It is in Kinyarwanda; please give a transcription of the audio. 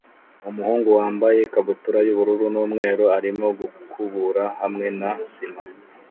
Umuhungu wambaye ikabutura yubururu n'umweru arimo gukubura hamwe na sima